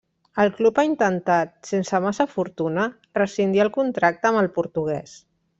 El club ha intentat, sense massa fortuna, rescindir el contracte amb el portugués.